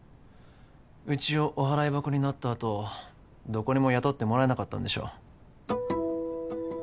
うちをお払い箱になったあとどこにも雇ってもらえなかったんでしょ